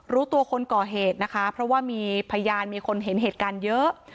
รู้ตัวคนก่อเหตุนะคะเพราะว่ามีพยานมีคนเห็นเหตุการณ์เยอะ